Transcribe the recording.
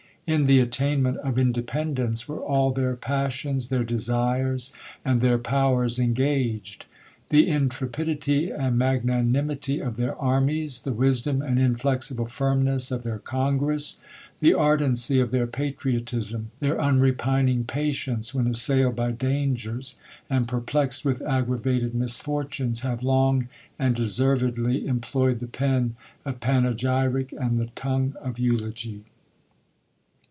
In the at taifiment of Independence, were all their passions, their desires, and their powers engaged. The intrepidity and mngnanimity of their armies; the wisdom and in flexible firmness of their Congress ; the ardency of their } )atriotism : their unrepining })atience, when assailed by dangers and perplexed with aggravated misfortunes, have long and deservedly employed the pen of pane gyric and the tongue of eulogy.